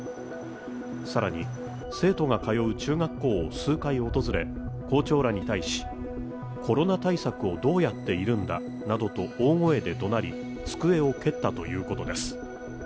更に、生徒が通う中学校を数回訪れ校長らに対し、コロナ対策をどうやっているんだなどと大声でどなり、机を蹴ったということです。